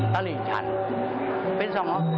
ตลิงชัน